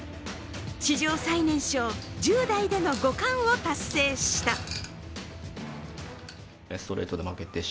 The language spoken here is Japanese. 史上最年少、１０代での五冠を達成した。